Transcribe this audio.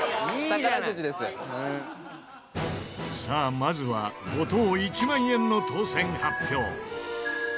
さあまずは５等１万円の当せん発表。